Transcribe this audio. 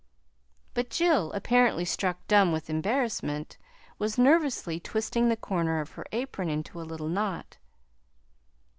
But Jill, apparently struck dumb with embarrassment, was nervously twisting the corner of her apron into a little knot.